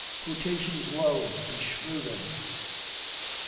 Quotations low, beshrew them.